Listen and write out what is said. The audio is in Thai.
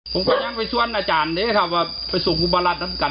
ก็ต้องลองไปนะยอบว่าเขาช่องคู่บา